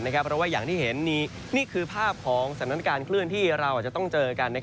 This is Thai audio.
เพราะว่าอย่างที่เห็นนี่คือภาพของสถานการณ์เคลื่อนที่เราอาจจะต้องเจอกัน